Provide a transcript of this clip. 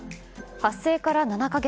発生から７か月。